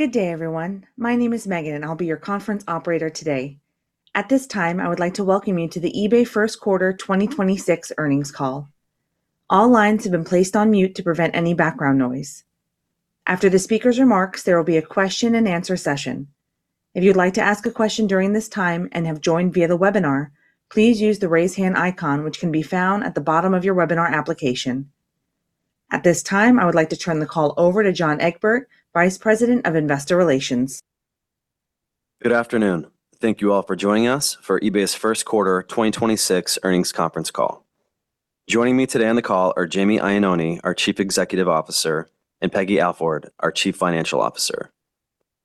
Good day, everyone. My name is Megan, and I'll be your conference operator today. At this time, I would like to welcome you to the eBay Q1 2026 earnings call. All lines have been placed on mute to prevent any background noise. After the speaker's remarks, there will be a question-and-answer session. If you'd like to ask a question during this time and have joined via the webinar, please use the raise hand icon, which can be found at the bottom of your webinar application. At this time, I would like to turn the call over to John Egbert, Vice President of Investor Relations. Good afternoon. Thank you all for joining us for eBay's Q1 2026 earnings conference call. Joining me today on the call are Jamie Iannone, our Chief Executive Officer, and Peggy Alford, our Chief Financial Officer.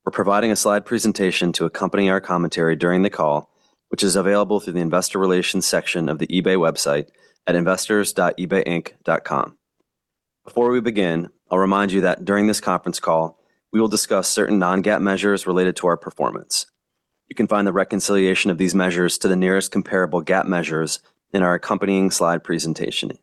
We're providing a slide presentation to accompany our commentary during the call, which is available through the investor relations section of the eBay website at investors.ebayinc.com. Before we begin, I'll remind you that during this conference call, we will discuss certain non-GAAP measures related to our performance. You can find the reconciliation of these measures to the nearest comparable GAAP measures in our accompanying slide presentation.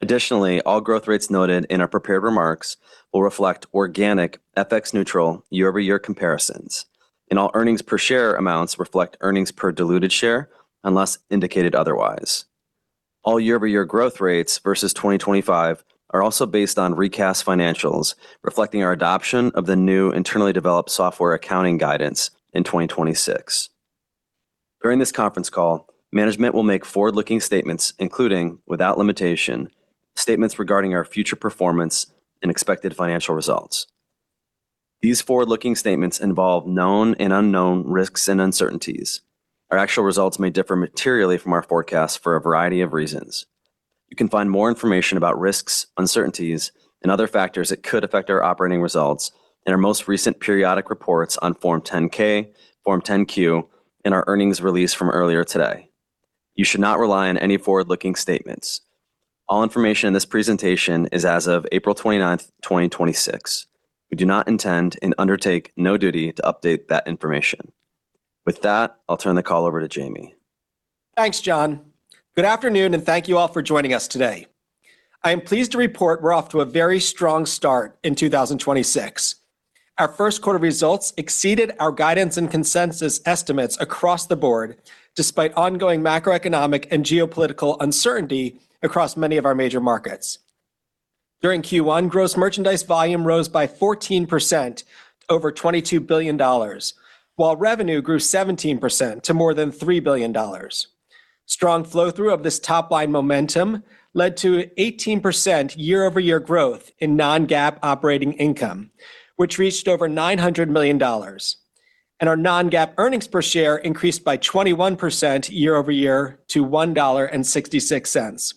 Additionally, all growth rates noted in our prepared remarks will reflect organic FX-neutral year-over-year comparisons, and all EPS amounts reflect earnings per diluted share unless indicated otherwise. All year-over-year growth rates versus 2025 are also based on recast financials reflecting our adoption of the new internally developed software accounting guidance in 2026. During this conference call, management will make forward-looking statements, including, without limitation, statements regarding our future performance and expected financial results. These forward-looking statements involve known and unknown risks and uncertainties. Our actual results may differ materially from our forecasts for a variety of reasons. You can find more information about risks, uncertainties, and other factors that could affect our operating results in our most recent periodic reports on Form 10-K, Form 10-Q, and our earnings release from earlier today. You should not rely on any forward-looking statements. All information in this presentation is as of April 29th, 2026. We do not intend and undertake no duty to update that information. With that, I'll turn the call over to Jamie. Thanks, John. Good afternoon, thank you all for joining us today. I am pleased to report we're off to a very strong start in 2026. Our Q1 results exceeded our guidance and consensus estimates across the board, despite ongoing macroeconomic and geopolitical uncertainty across many of our major markets. During Q1, gross merchandise volume rose by 14% to over $22 billion, while revenue grew 17% to more than $3 billion. Strong flow-through of this top-line momentum led to 18% year-over-year growth in non-GAAP operating income, which reached over $900 million. Our non-GAAP earnings per share increased by 21% year-over-year to $1.66.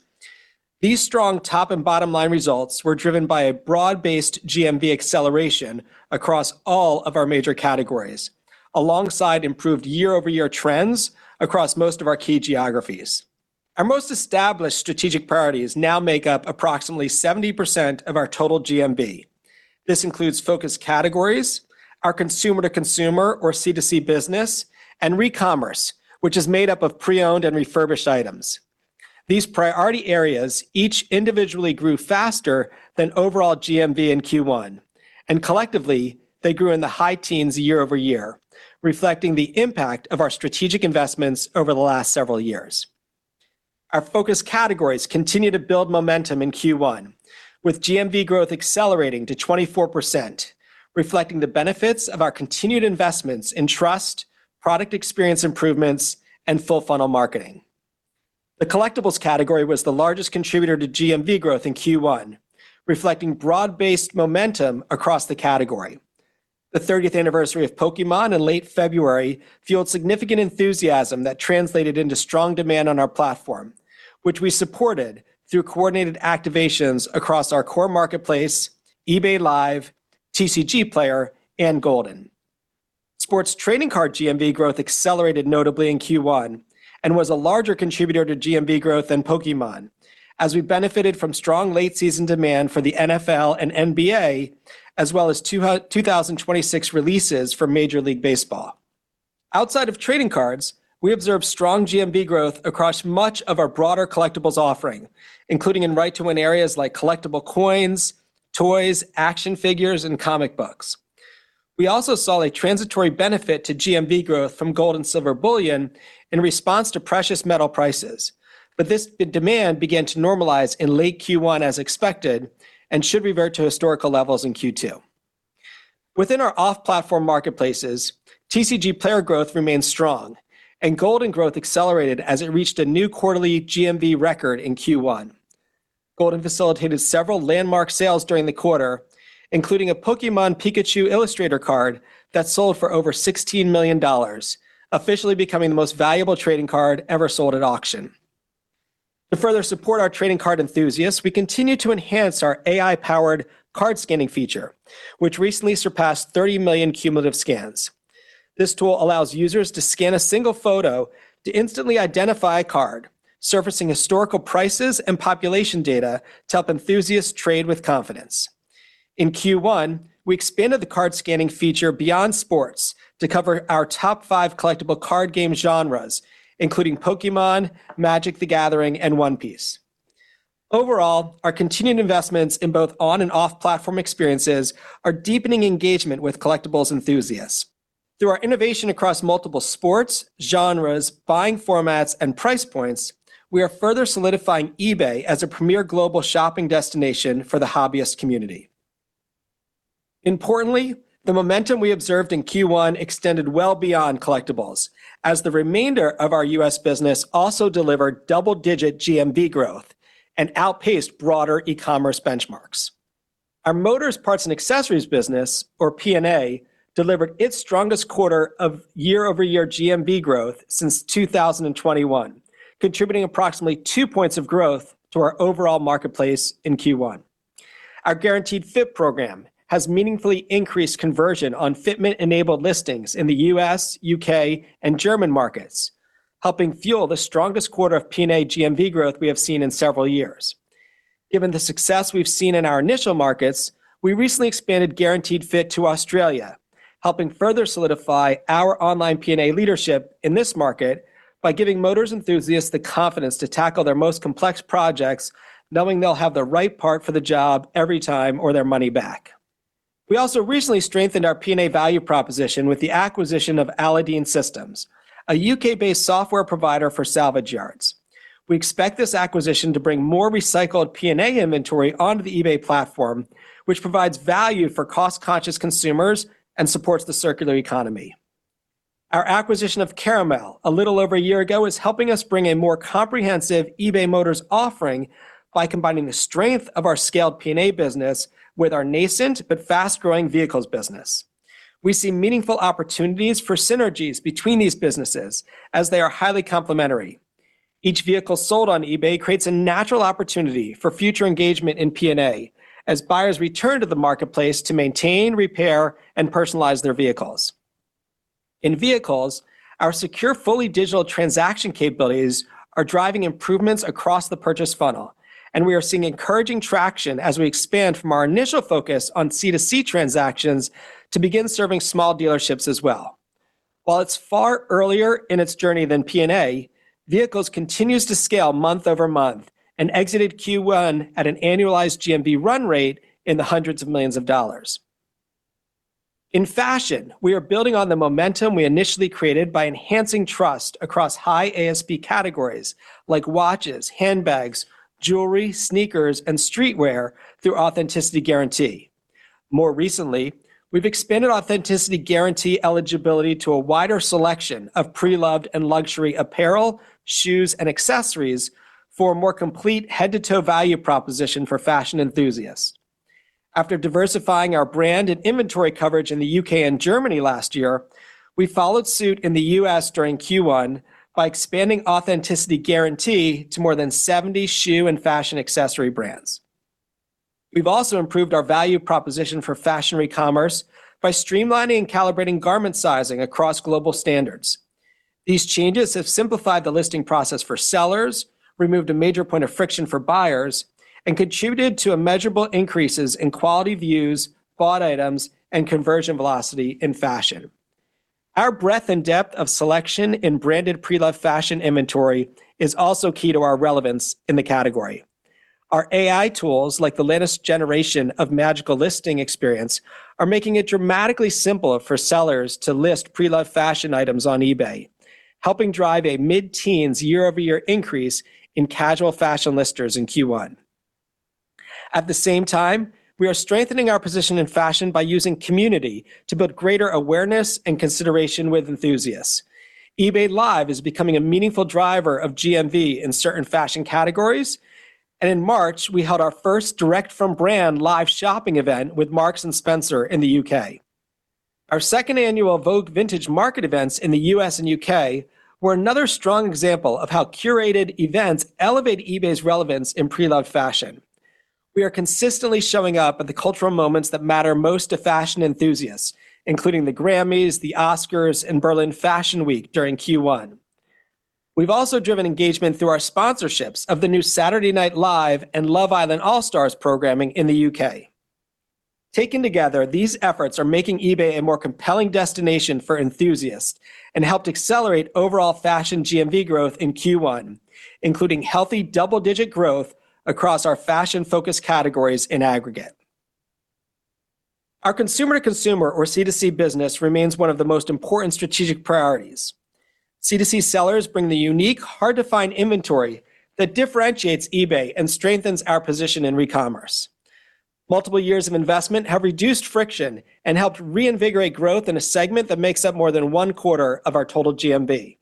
These strong top and bottom line results were driven by a broad-based GMV acceleration across all of our major categories, alongside improved year-over-year trends across most of our key geographies. Our most established strategic priorities now make up approximately 70% of our total GMV. This includes focus categories, our consumer-to-consumer or C2C business, and recommerce, which is made up of pre-owned and refurbished items. These priority areas each individually grew faster than overall GMV in Q1, and collectively, they grew in the high teens year-over-year, reflecting the impact of our strategic investments over the last several years. Our focus categories continue to build momentum in Q1, with GMV growth accelerating to 24%, reflecting the benefits of our continued investments in trust, product experience improvements, and full funnel marketing. The collectibles category was the largest contributor to GMV growth in Q1, reflecting broad-based momentum across the category. The 30th anniversary of Pokémon in late February fueled significant enthusiasm that translated into strong demand on our platform, which we supported through coordinated activations across our core marketplace, eBay Live, TCGplayer, and Goldin. Sports trading card GMV growth accelerated notably in Q1 and was a larger contributor to GMV growth than Pokémon as we benefited from strong late-season demand for the NFL and NBA, as well as 2026 releases for Major League Baseball. Outside of trading cards, we observed strong GMV growth across much of our broader collectibles offering, including in right to win areas like collectible coins, toys, action figures, and comic books. We also saw a transitory benefit to GMV growth from gold and silver bullion in response to precious metal prices. This demand began to normalize in late Q1 as expected and should revert to historical levels in Q2. Within our off-platform marketplaces, TCGplayer growth remains strong and Goldin growth accelerated as it reached a new quarterly GMV record in Q1. Goldin facilitated several landmark sales during the quarter, including a Pokémon Pikachu Illustrator card that sold for over $16 million, officially becoming the most valuable trading card ever sold at auction. To further support our trading card enthusiasts, we continue to enhance our AI-powered card scanning feature, which recently surpassed 30 million cumulative scans. This tool allows users to scan a single photo to instantly identify a card, surfacing historical prices and population data to help enthusiasts trade with confidence. In Q1, we expanded the card scanning feature beyond sports to cover our top five collectible card game genres, including Pokémon, Magic: The Gathering, and One Piece. Overall, our continued investments in both on and off-platform experiences are deepening engagement with collectibles enthusiasts. Through our innovation across multiple sports, genres, buying formats, and price points, we are further solidifying eBay as a premier global shopping destination for the hobbyist community. Importantly, the momentum we observed in Q1 extended well beyond collectibles as the remainder of our U.S. business also delivered double-digit GMV growth and outpaced broader e-commerce benchmarks. Our Motors Parts and Accessories business, or P&A, delivered its strongest quarter of year-over-year GMV growth since 2021, contributing approximately 2 points of growth to our overall marketplace in Q1. Our Guaranteed Fit program has meaningfully increased conversion on fitment-enabled listings in the U.S., U.K., and German markets, helping fuel the strongest quarter of P&A GMV growth we have seen in several years. Given the success we've seen in our initial markets, we recently expanded Guaranteed Fit to Australia, helping further solidify our online P&A leadership in this market by giving motors enthusiasts the confidence to tackle their most complex projects, knowing they'll have the right part for the job every time or their money back. We also recently strengthened our P&A value proposition with the acquisition of uncertain, a U.K.-based software provider for salvage yards. We expect this acquisition to bring more recycled P&A inventory onto the eBay platform, which provides value for cost-conscious consumers and supports the circular economy. Our acquisition of Caramel a little over a year ago is helping us bring a more comprehensive eBay Motors offering by combining the strength of our scaled P&A business with our nascent but fast-growing vehicles business. We see meaningful opportunities for synergies between these businesses as they are highly complementary. Each vehicle sold on eBay creates a natural opportunity for future engagement in P&A as buyers return to the marketplace to maintain, repair, and personalize their vehicles. In vehicles, our secure fully digital transaction capabilities are driving improvements across the purchase funnel. We are seeing encouraging traction as we expand from our initial focus on C2C transactions to begin serving small dealerships as well. While it's far earlier in its journey than P&A, vehicles continues to scale month-over-month and exited Q1 at an annualized GMV run rate in the $hundreds of millions. In fashion, we are building on the momentum we initially created by enhancing trust across high ASP categories like watches, handbags, jewelry, sneakers, and streetwear through Authenticity Guarantee. More recently, we've expanded Authenticity Guarantee eligibility to a wider selection of pre-loved and luxury apparel, shoes, and accessories for a more complete head-to-toe value proposition for fashion enthusiasts. After diversifying our brand and inventory coverage in the U.K. and Germany last year, we followed suit in the U.S. during Q1 by expanding Authenticity Guarantee to more than 70 shoe and fashion accessory brands. We've also improved our value proposition for fashion re-commerce by streamlining and calibrating garment sizing across global standards. These changes have simplified the listing process for sellers, removed a major point of friction for buyers, and contributed to immeasurable increases in quality views, bought items, and conversion velocity in fashion. Our breadth and depth of selection in branded pre-loved fashion inventory is also key to our relevance in the category. Our AI tools, like the latest generation of Magical Listing, are making it dramatically simpler for sellers to list pre-loved fashion items on eBay, helping drive a mid-teens year-over-year increase in casual fashion listers in Q1. At the same time, we are strengthening our position in fashion by using community to build greater awareness and consideration with enthusiasts. eBay Live is becoming a meaningful driver of GMV in certain fashion categories, and in March, we held our first direct from brand live shopping event with Marks and Spencer in the U.K. Our second annual Vogue Vintage Market events in the U.S. and U.K. were another strong example of how curated events elevate eBay's relevance in pre-loved fashion. We are consistently showing up at the cultural moments that matter most to fashion enthusiasts, including the Grammys, The Oscars, and Berlin Fashion Week during Q1. We've also driven engagement through our sponsorships of the new Saturday Night Live and Love Island: All Stars programming in the U.K. Taken together, these efforts are making eBay a more compelling destination for enthusiasts and helped accelerate overall fashion GMV growth in Q1, including healthy double-digit growth across our fashion-focused categories in aggregate. Our consumer-to-consumer, or C2C business, remains one of the most important strategic priorities. C2C sellers bring the unique, hard-to-find inventory that differentiates eBay and strengthens our position in re-commerce. Multiple years of investment have reduced friction and helped reinvigorate growth in a segment that makes up more than 1 quarter of our total GMV.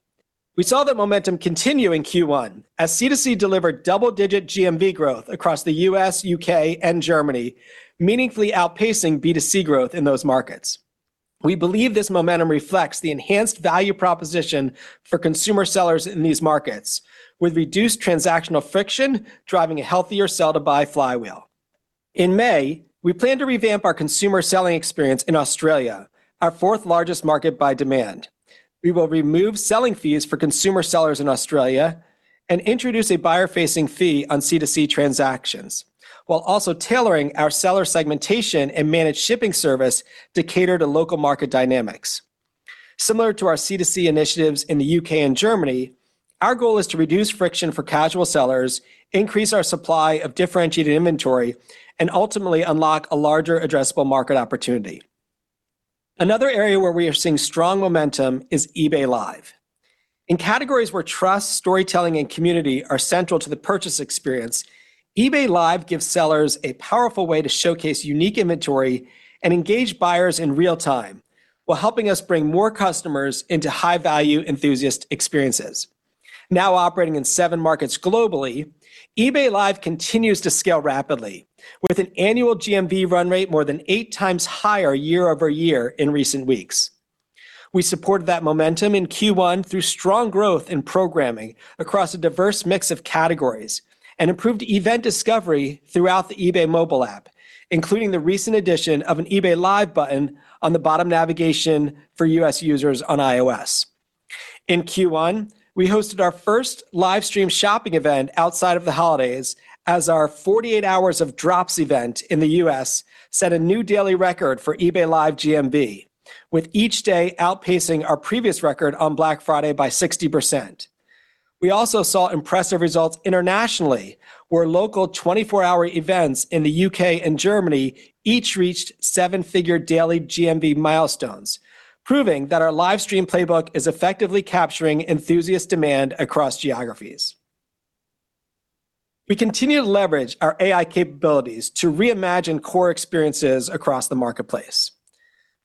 We saw that momentum continue in Q1 as C2C delivered double-digit GMV growth across the U.S., U.K., and Germany, meaningfully outpacing B2C growth in those markets. We believe this momentum reflects the enhanced value proposition for consumer sellers in these markets, with reduced transactional friction driving a healthier sell-to-buy flywheel. In May, we plan to revamp our consumer selling experience in Australia, our fourth largest market by demand. We will remove selling fees for consumer sellers in Australia and introduce a buyer-facing fee on C2C transactions while also tailoring our seller segmentation and managed shipping service to cater to local market dynamics. Similar to our C2C initiatives in the U.K. and Germany, our goal is to reduce friction for casual sellers, increase our supply of differentiated inventory, and ultimately unlock a larger addressable market opportunity. Another area where we are seeing strong momentum is eBay Live. In categories where trust, storytelling, and community are central to the purchase experience, eBay Live gives sellers a powerful way to showcase unique inventory and engage buyers in real time, while helping us bring more customers into high-value enthusiast experiences. Now operating in 7 markets globally, eBay Live continues to scale rapidly, with an annual GMV run rate more than 8 times higher year-over-year in recent weeks. We supported that momentum in Q1 through strong growth in programming across a diverse mix of categories and improved event discovery throughout the eBay mobile app, including the recent addition of an eBay Live button on the bottom navigation for U.S. users on iOS. In Q1, we hosted our first live stream shopping event outside of the holidays as our 48 hours of drops event in the U.S. set a new daily record for eBay Live GMV, with each day outpacing our previous record on Black Friday by 60%. We also saw impressive results internationally, where local 24-hour events in the U.K. and Germany each reached 7-figure daily GMV milestones, proving that our live stream playbook is effectively capturing enthusiast demand across geographies. We continue to leverage our AI capabilities to reimagine core experiences across the marketplace.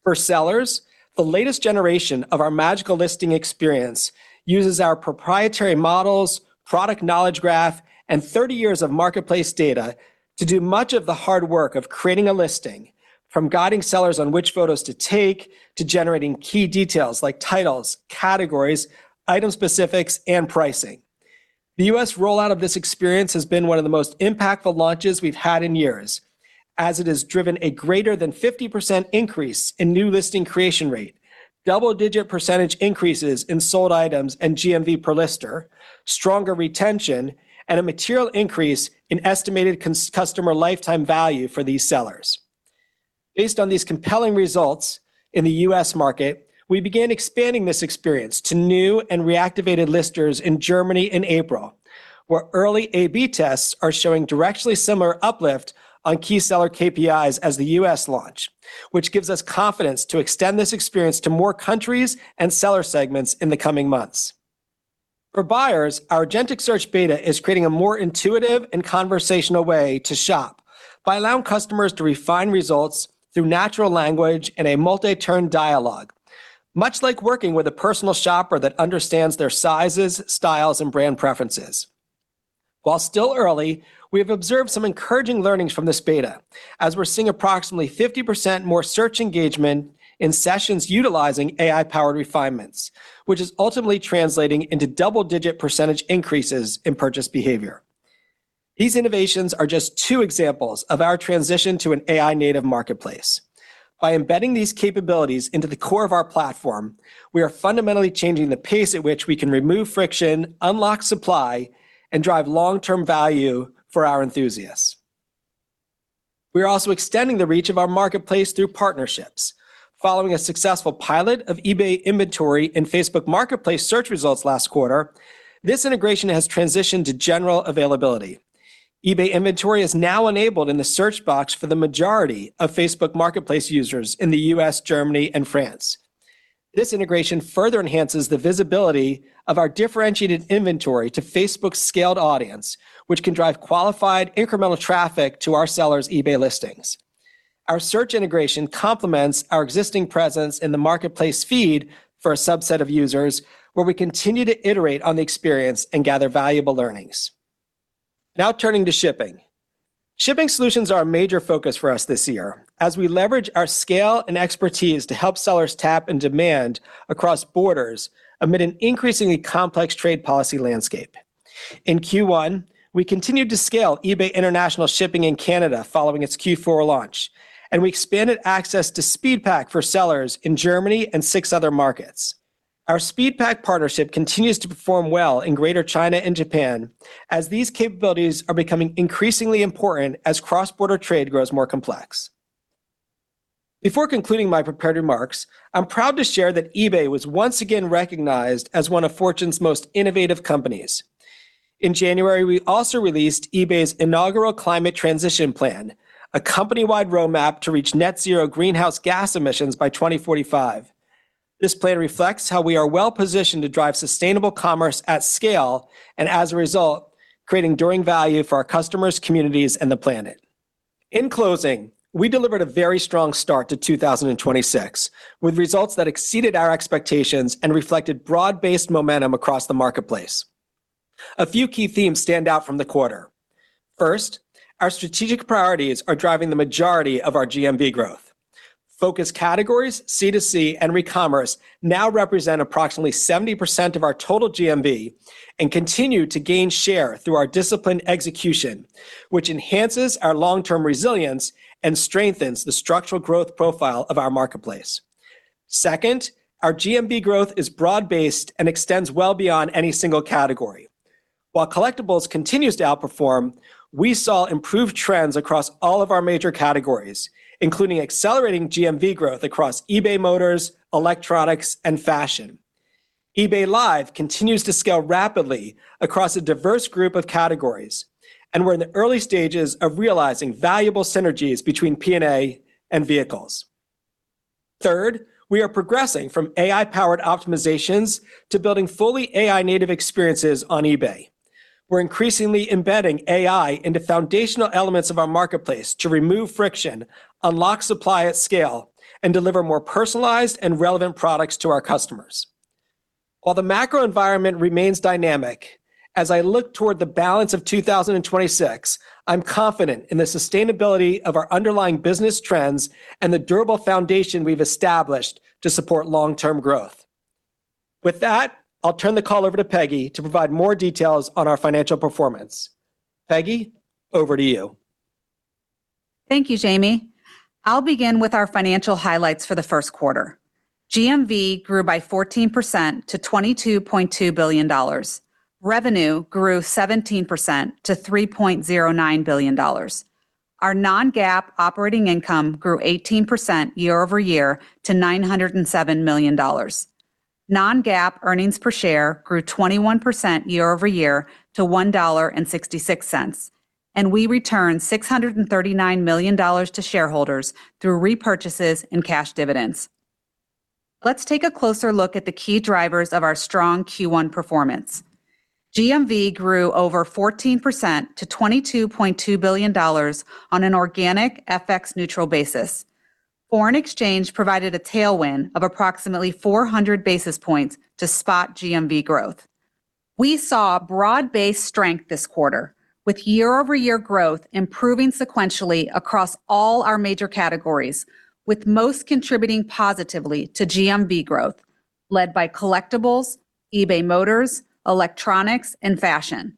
For sellers, the latest generation of our Magical Listing experience uses our proprietary models, product knowledge graph, and 30 years of marketplace data to do much of the hard work of creating a listing, from guiding sellers on which photos to take, to generating key details like titles, categories, item specifics, and pricing. The U.S. rollout of this experience has been one of the most impactful launches we've had in years, as it has driven a greater than 50% increase in new listing creation rate, double-digit percentage increases in sold items and GMV per lister, stronger retention, and a material increase in estimated customer lifetime value for these sellers. Based on these compelling results in the U.S. market, we began expanding this experience to new and reactivated listers in Germany in April, where early A/B tests are showing directionally similar uplift on key seller KPIs as the U.S. launch, which gives us confidence to extend this experience to more countries and seller segments in the coming months. For buyers, our agentic search beta is creating a more intuitive and conversational way to shop by allowing customers to refine results through natural language and a multi-turn dialogue, much like working with a personal shopper that understands their sizes, styles, and brand preferences. While still early, we have observed some encouraging learnings from this beta, as we are seeing approximately 50% more search engagement in sessions utilizing AI-powered refinements, which is ultimately translating into double-digit % increases in purchase behavior. These innovations are just two examples of our transition to an AI-native marketplace. By embedding these capabilities into the core of our platform, we are fundamentally changing the pace at which we can remove friction, unlock supply, and drive long-term value for our enthusiasts. We are also extending the reach of our marketplace through partnerships. Following a successful pilot of eBay inventory in Facebook Marketplace search results last quarter, this integration has transitioned to general availability. eBay inventory is now enabled in the search box for the majority of Facebook Marketplace users in the U.S., Germany, and France. This integration further enhances the visibility of our differentiated inventory to Facebook's scaled audience, which can drive qualified incremental traffic to our sellers' eBay listings. Our search integration complements our existing presence in the marketplace feed for a subset of users, where we continue to iterate on the experience and gather valuable learnings. Now turning to shipping. Shipping solutions are a major focus for us this year as we leverage our scale and expertise to help sellers tap in demand across borders amid an increasingly complex trade policy landscape. In Q1, we continued to scale eBay International Shipping in Canada following its Q4 launch, and we expanded access to SpeedPAK for sellers in Germany and six other markets. Our SpeedPAK partnership continues to perform well in Greater China and Japan, as these capabilities are becoming increasingly important as cross-border trade grows more complex. Before concluding my prepared remarks, I'm proud to share that eBay was once again recognized as one of Fortune's Most Innovative Companies. In January, we also released eBay's inaugural climate transition plan, a company-wide roadmap to reach net zero greenhouse gas emissions by 2045. This plan reflects how we are well-positioned to drive sustainable commerce at scale and, as a result, creating enduring value for our customers, communities, and the planet. In closing, we delivered a very strong start to 2026, with results that exceeded our expectations and reflected broad-based momentum across the marketplace. A few key themes stand out from the quarter. First, our strategic priorities are driving the majority of our GMV growth. Focus categories, C2C, and recommerce now represent approximately 70% of our total GMV and continue to gain share through our disciplined execution, which enhances our long-term resilience and strengthens the structural growth profile of our marketplace. Second, our GMV growth is broad-based and extends well beyond any single category. While Collectibles continues to outperform, we saw improved trends across all of our major categories, including accelerating GMV growth across eBay Motors, Electronics, and Fashion. eBay Live continues to scale rapidly across a diverse group of categories, and we're in the early stages of realizing valuable synergies between P&A and vehicles. Third, we are progressing from AI-powered optimizations to building fully AI-native experiences on eBay. We're increasingly embedding AI into foundational elements of our marketplace to remove friction, unlock supply at scale, and deliver more personalized and relevant products to our customers. While the macro environment remains dynamic, as I look toward the balance of 2026, I'm confident in the sustainability of our underlying business trends and the durable foundation we've established to support long-term growth. With that, I'll turn the call over to Peggy to provide more details on our financial performance. Peggy, over to you. Thank you, Jamie. I'll begin with our financial highlights for the Q1, GMV grew by 14% to $22.2 billion. Revenue grew 17% to $3.09 billion. Our non-GAAP operating income grew 18% year-over-year to $907 million. Non-GAAP earnings per share grew 21% year-over-year to $1.66, and we returned $639 million to shareholders through repurchases and cash dividends. Let's take a closer look at the key drivers of our strong Q1 performance. GMV grew over 14% to $22.2 billion on an organic FX-neutral basis. Foreign exchange provided a tailwind of approximately 400 basis points to spot GMV growth. We saw broad-based strength this quarter, with year-over-year growth improving sequentially across all our major categories, with most contributing positively to GMV growth, led by Collectibles, eBay Motors, Electronics, and Fashion.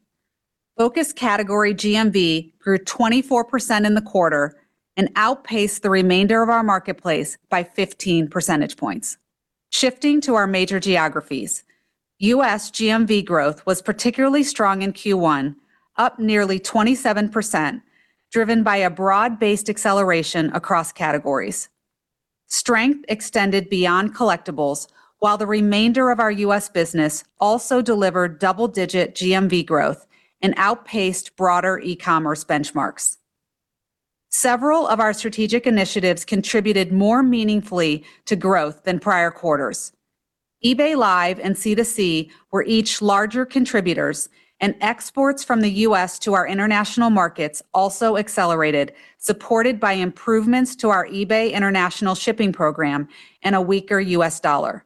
Focus category GMV grew 24% in the quarter and outpaced the remainder of our marketplace by 15 percentage points. Shifting to our major geographies, U.S. GMV growth was particularly strong in Q1, up nearly 27%, driven by a broad-based acceleration across categories. Strength extended beyond Collectibles, while the remainder of our U.S. business also delivered double-digit GMV growth and outpaced broader e-commerce benchmarks. Several of our strategic initiatives contributed more meaningfully to growth than prior quarters. eBay Live and C2C were each larger contributors, and exports from the U.S. to our international markets also accelerated, supported by improvements to our eBay International Shipping program and a weaker U.S. dollar.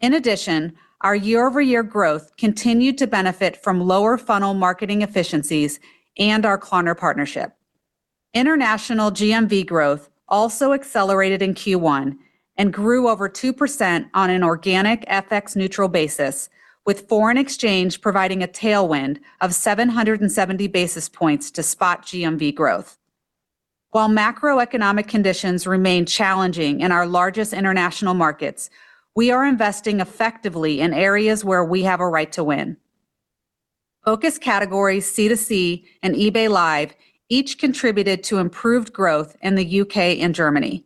In addition, our year-over-year growth continued to benefit from lower funnel marketing efficiencies and our Klarna partnership. International GMV growth also accelerated in Q1 and grew over 2% on an organic FX-neutral basis, with foreign exchange providing a tailwind of 770 basis points to spot GMV growth. While macroeconomic conditions remain challenging in our largest international markets, we are investing effectively in areas where we have a right to win. Focus categories C2C and eBay Live each contributed to improved growth in the U.K. and Germany.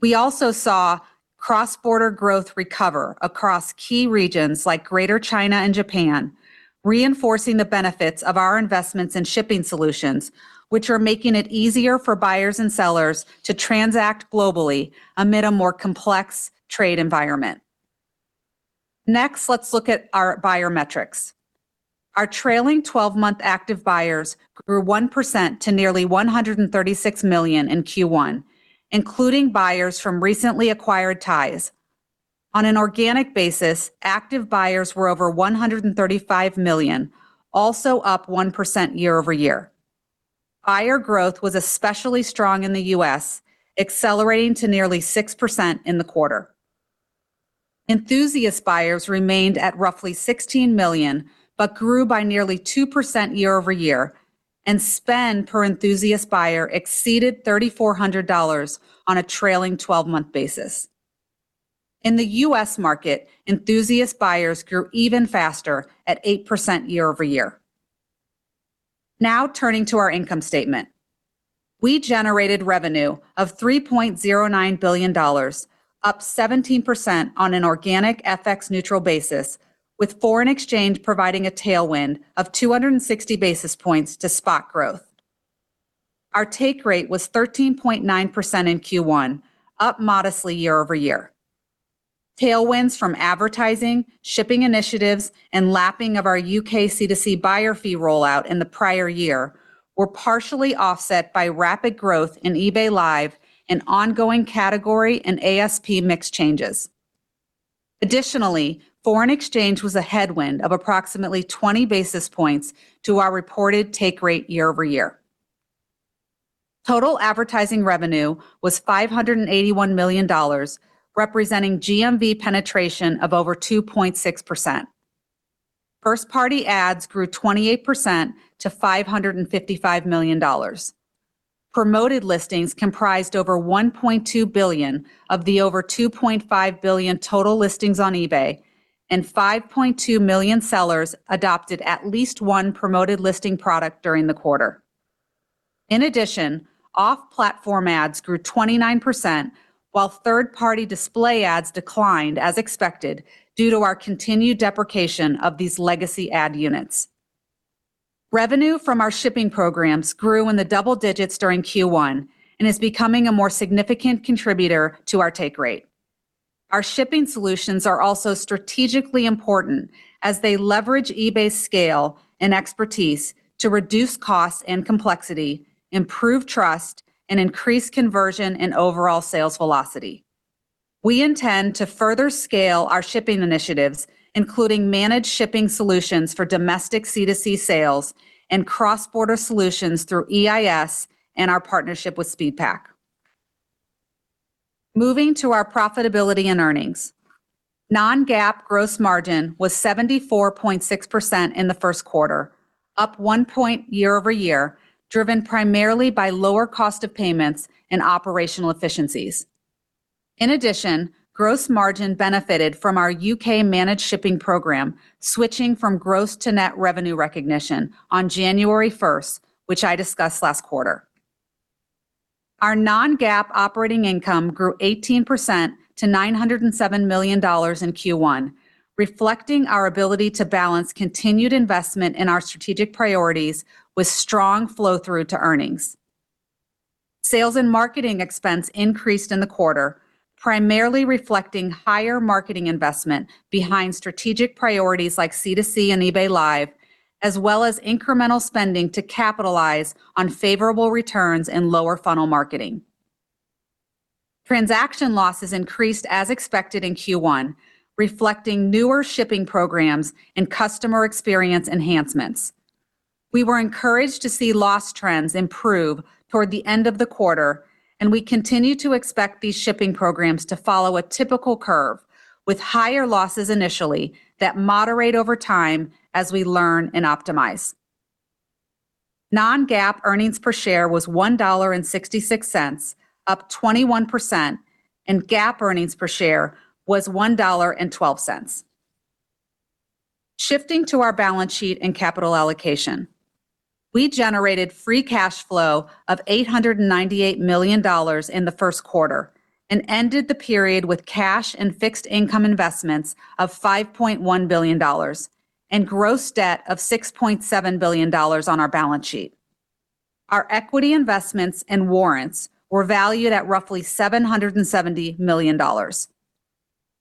We also saw cross-border growth recover across key regions like Greater China and Japan, reinforcing the benefits of our investments in shipping solutions, which are making it easier for buyers and sellers to transact globally amid a more complex trade environment. Next, let's look at our buyer metrics. Our trailing twelve-month active buyers grew 1% to nearly 136 million in Q1, including buyers from recently acquired ties. On an organic basis, active buyers were over 135 million, also up 1% year-over-year. Buyer growth was especially strong in the U.S., accelerating to nearly 6% in the quarter. Enthusiast buyers remained at roughly 16 million but grew by nearly 2% year-over-year, and spend per enthusiast buyer exceeded $3,400 on a trailing twelve-month basis. In the U.S. market, enthusiast buyers grew even faster at 8% year-over-year. Turning to our income statement. We generated revenue of $3.09 billion, up 17% on an organic FX-neutral basis, with foreign exchange providing a tailwind of 260 basis points to spot growth. Our take rate was 13.9% in Q1, up modestly year-over-year. Tailwinds from advertising, shipping initiatives, and lapping of our UK C2C buyer fee rollout in the prior year were partially offset by rapid growth in eBay Live and ongoing category and ASP mix changes. Additionally, foreign exchange was a headwind of approximately 20 basis points to our reported take rate year-over-year. Total advertising revenue was $581 million, representing GMV penetration of over 2.6%. First-party ads grew 28% to $555 million. Promoted Listings comprised over $1.2 billion of the over $2.5 billion total listings on eBay, and 5.2 million sellers adopted at least 1 Promoted Listing product during the quarter. Off-platform ads grew 29%, while third-party display ads declined as expected due to our continued deprecation of these legacy ad units. Revenue from our shipping programs grew in the double digits during Q1 and is becoming a more significant contributor to our take rate. Our shipping solutions are also strategically important as they leverage eBay scale and expertise to reduce costs and complexity, improve trust, and increase conversion and overall sales velocity. We intend to further scale our shipping initiatives, including managed shipping solutions for domestic C2C sales and cross-border solutions through EIS and our partnership with SpeedPAK. Moving to our profitability and earnings. Non-GAAP gross margin was 74.6% in the first quarter, up 1 point year-over-year, driven primarily by lower cost of payments and operational efficiencies. In addition, gross margin benefited from our U.K. managed shipping program, switching from gross to net revenue recognition on January first, which I discussed last quarter. Our non-GAAP operating income grew 18% to $907 million in Q1, reflecting our ability to balance continued investment in our strategic priorities with strong flow-through to earnings. Sales and marketing expense increased in the quarter, primarily reflecting higher marketing investment behind strategic priorities like C2C and eBay Live, as well as incremental spending to capitalize on favorable returns in lower funnel marketing. Transaction losses increased as expected in Q1, reflecting newer shipping programs and customer experience enhancements. We were encouraged to see loss trends improve toward the end of the quarter, and we continue to expect these shipping programs to follow a typical curve with higher losses initially that moderate over time as we learn and optimize. Non-GAAP earnings per share was $1.66, up 21%, and GAAP earnings per share was $1.12. Shifting to our balance sheet and capital allocation. We generated free cash flow of $898 million in the Q1 and ended the period with cash and fixed income investments of $5.1 billion and gross debt of $6.7 billion on our balance sheet. Our equity investments and warrants were valued at roughly $770 million.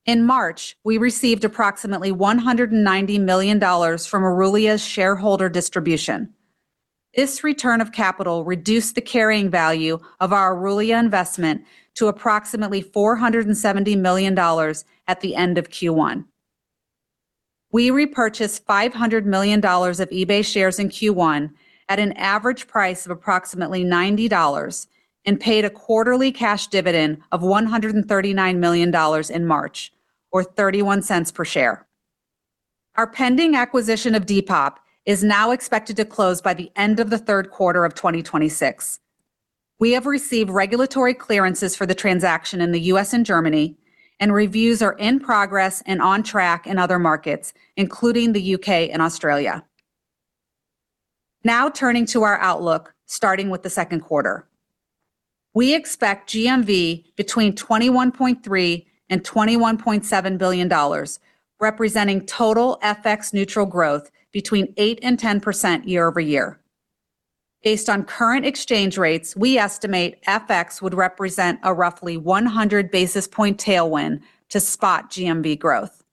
In March, we received approximately $190 million from Adevinta's shareholder distribution. This return of capital reduced the carrying value of our Adevinta investment to approximately $470 million at the end of Q1. We repurchased $500 million of eBay shares in Q1 at an average price of approximately $90 and paid a quarterly cash dividend of $139 million in March, or $0.31 per share. Our pending acquisition of Depop is now expected to close by the end of the Q3 of 2026. We have received regulatory clearances for the transaction in the U.S. and Germany. Reviews are in progress and on track in other markets, including the U.K. and Australia. Turning to our outlook, starting with the Q2. We expect GMV between $21.3 billion and $21.7 billion, representing total FX-neutral growth between 8% and 10% year-over-year. Based on current exchange rates, we estimate FX would represent a roughly 100 basis point tailwind to spot GMV growth.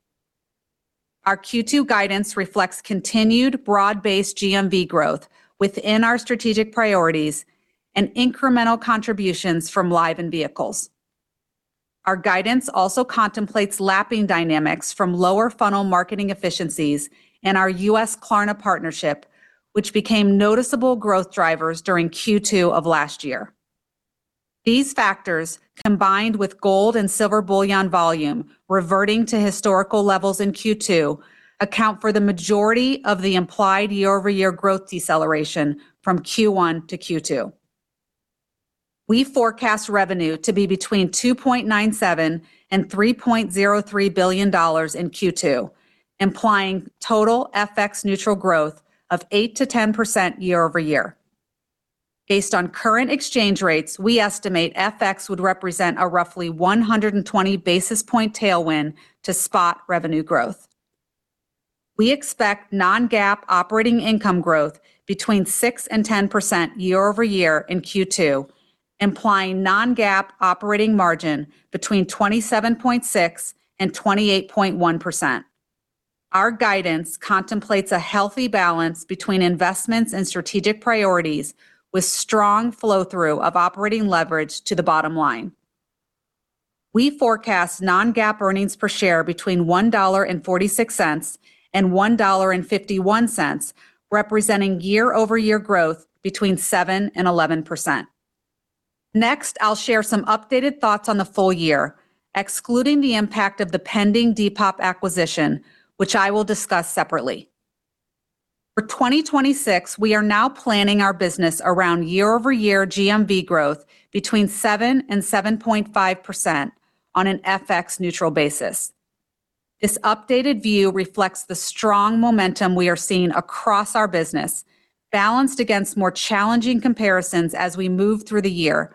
Our Q2 guidance reflects continued broad-based GMV growth within our strategic priorities and incremental contributions from live and vehicles. Our guidance also contemplates lapping dynamics from lower funnel marketing efficiencies and our U.S. Klarna partnership, which became noticeable growth drivers during Q2 of last year. These factors, combined with gold and silver bullion volume reverting to historical levels in Q2, account for the majority of the implied year-over-year growth deceleration from Q1 to Q2. We forecast revenue to be between $2.97 billion and $3.03 billion in Q2, implying total FX-neutral growth of 8%-10% year-over-year. Based on current exchange rates, we estimate FX would represent a roughly 120 basis point tailwind to spot revenue growth. We expect non-GAAP operating income growth between 6% and 10% year-over-year in Q2, implying non-GAAP operating margin between 27.6% and 28.1%. Our guidance contemplates a healthy balance between investments and strategic priorities with strong flow-through of operating leverage to the bottom line. We forecast non-GAAP earnings per share between $1.46 and $1.51, representing year-over-year growth between 7% and 11%. Next, I'll share some updated thoughts on the full year, excluding the impact of the pending Depop acquisition, which I will discuss separately. For 2026, we are now planning our business around year-over-year GMV growth between 7% and 7.5% on an FX-neutral basis. This updated view reflects the strong momentum we are seeing across our business, balanced against more challenging comparisons as we move through the year,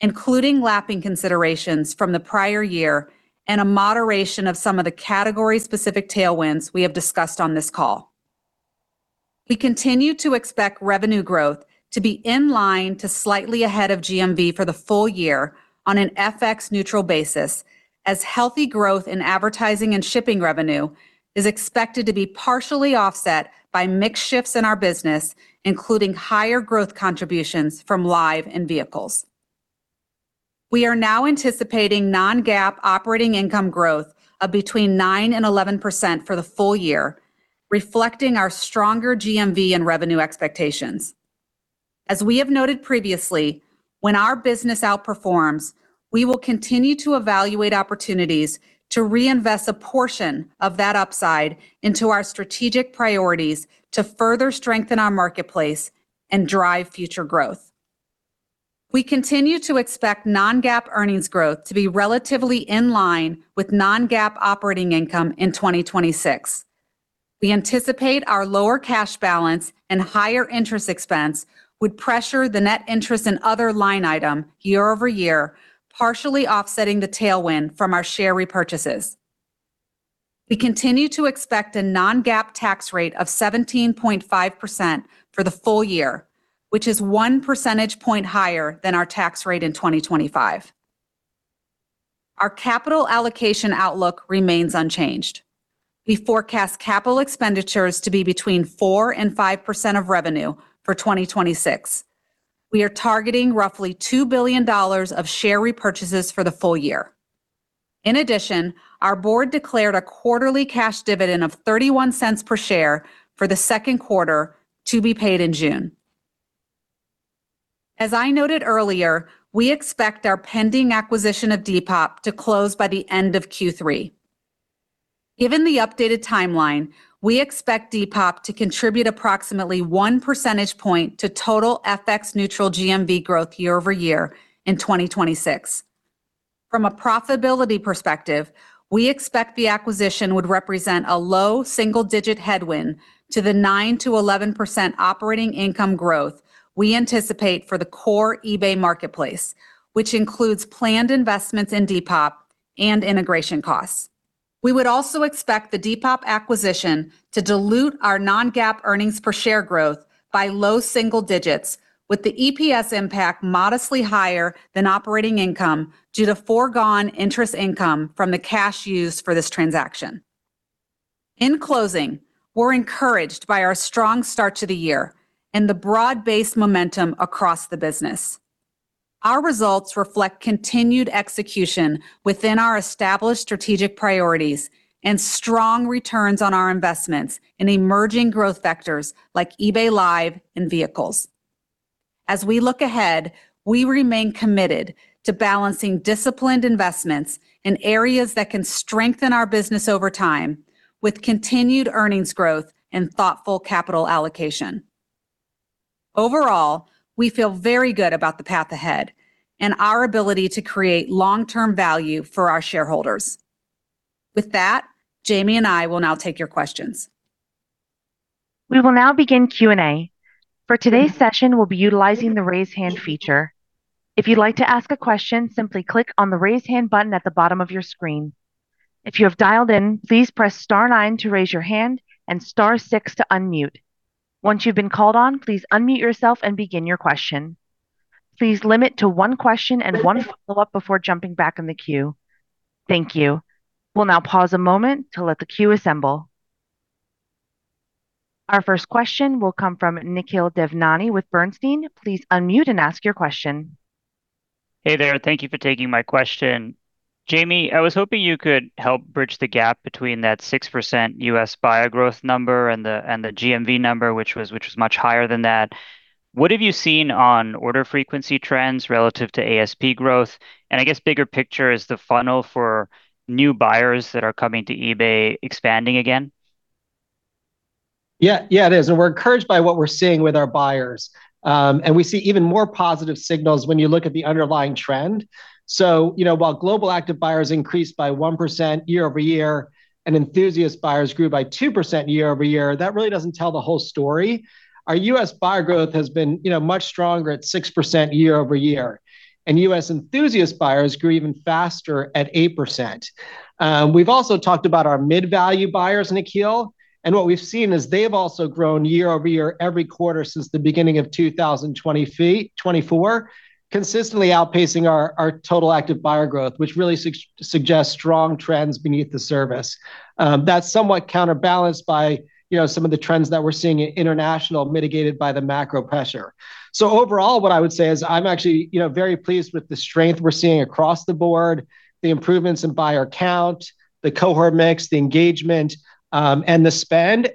including lapping considerations from the prior year and a moderation of some of the category-specific tailwinds we have discussed on this call. We continue to expect revenue growth to be in line to slightly ahead of GMV for the full year on an FX-neutral basis, as healthy growth in advertising and shipping revenue is expected to be partially offset by mix shifts in our business, including higher growth contributions from Live and vehicles. We are now anticipating non-GAAP operating income growth of between 9% and 11% for the full year, reflecting our stronger GMV and revenue expectations. As we have noted previously, when our business outperforms, we will continue to evaluate opportunities to reinvest a portion of that upside into our strategic priorities to further strengthen our marketplace and drive future growth. We continue to expect non-GAAP earnings growth to be relatively in line with non-GAAP operating income in 2026. We anticipate our lower cash balance and higher interest expense would pressure the net interest and other line item year-over-year, partially offsetting the tailwind from our share repurchases. We continue to expect a non-GAAP tax rate of 17.5% for the full year, which is 1 percentage point higher than our tax rate in 2025. Our capital allocation outlook remains unchanged. We forecast capital expenditures to be between 4% and 5% of revenue for 2026. We are targeting roughly $2 billion of share repurchases for the full year. In addition, our board declared a quarterly cash dividend of $0.31 per share for the Q2 to be paid in June. As I noted earlier, we expect our pending acquisition of Depop to close by the end of Q3. Given the updated timeline, we expect Depop to contribute approximately 1 percentage point to total FX-neutral GMV growth year-over-year in 2026. From a profitability perspective, we expect the acquisition would represent a low single digit headwind to the 9%-11% operating income growth we anticipate for the core eBay marketplace, which includes planned investments in Depop and integration costs. We would also expect the Depop acquisition to dilute our non-GAAP EPS growth by low single digits, with the EPS impact modestly higher than operating income due to foregone interest income from the cash used for this transaction. In closing, we're encouraged by our strong start to the year and the broad-based momentum across the business. Our results reflect continued execution within our established strategic priorities and strong returns on our investments in emerging growth vectors like eBay Live and vehicles. As we look ahead, we remain committed to balancing disciplined investments in areas that can strengthen our business over time with continued earnings growth and thoughtful capital allocation. Overall, we feel very good about the path ahead and our ability to create long-term value for our shareholders. With that, Jamie and I will now take your questions. We will now begin Q&A. For today's session, we'll be utilizing the Raise Hand feature. If you'd like to ask a question, simply click on the Raise Hand button at the bottom of your screen. If you have dialed in, please press star nine to raise your hand and star six to unmute. Once you've been called on, please unmute yourself and begin your question. Please limit to one question and one follow-up before jumping back in the queue. Thank you. We'll now pause a moment to let the queue assemble. Our first question will come from Nikhil Devnani with Bernstein. Please unmute and ask your question. Hey there. Thank you for taking my question. Jamie, I was hoping you could help bridge the gap between that 6% U.S. buyer growth number and the GMV number, which was much higher than that. What have you seen on order frequency trends relative to ASP growth? I guess bigger picture, is the funnel for new buyers that are coming to eBay expanding again? Yeah, yeah, it is. We're encouraged by what we're seeing with our buyers. We see even more positive signals when you look at the underlying trend. You know, while global active buyers increased by 1% year-over-year and enthusiast buyers grew by 2% year-over-year, that really doesn't tell the whole story. Our U.S. buyer growth has been, you know, much stronger at 6% year-over-year, and U.S. enthusiast buyers grew even faster at 8%. We've also talked about our mid-value buyers, Nikhil, and what we've seen is they've also grown year-over-year every quarter since the beginning of 2024, consistently outpacing our total active buyer growth, which really suggests strong trends beneath the surface. That's somewhat counterbalanced by, you know, some of the trends that we're seeing at international, mitigated by the macro pressure. Overall, what I would say is I'm actually, you know, very pleased with the strength we're seeing across the board, the improvements in buyer count, the cohort mix, the engagement, and the spend.